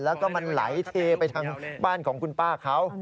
แล้วก็มันไหลเทไปทางบ้านของคุณป้าเขา